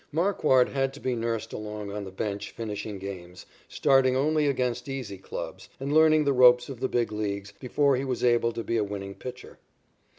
Marquard had to be nursed along on the bench finishing games, starting only against easy clubs, and learning the ropes of the Big Leagues before he was able to be a winning pitcher.